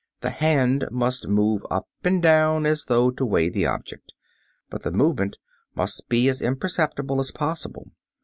The hand must move up and down as though to weigh the object, but the movement must be as imperceptible as possible.